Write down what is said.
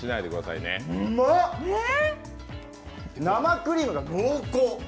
生クリームが濃厚！